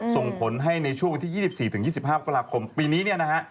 ส่งผลให้ในช่วงวันที่๒๔๒๕ตุลาคมปีนี้เนี่ยนะฮะ